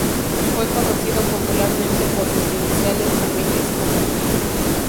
Fue conocido popularmente por sus iniciales tamiles como Thi.